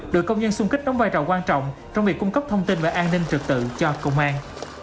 đội công nhân xung kích đóng vai trò quan trọng trong việc cung cấp thông tin về an ninh trực tự cho công an